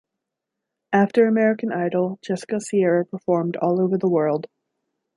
After "American Idol", Jessica Sierra performed all over the world.